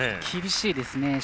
厳しいですね。